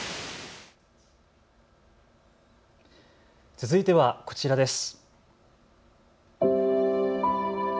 続いてはこちらです。